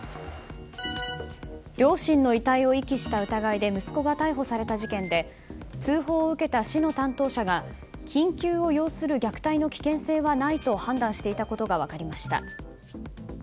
両親の遺体を遺棄した疑いで息子が逮捕された事件で通報を受けた市の担当者が緊急を要する虐待の危険性はないと判断していたことが分かりました。